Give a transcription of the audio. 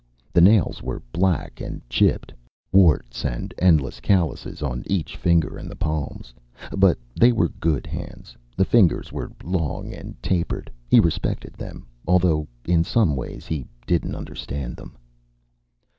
The nails were black and chipped. Warts and endless calluses on each finger, and the palms. But they were good hands; the fingers were long and tapered. He respected them, although in some ways he didn't understand them.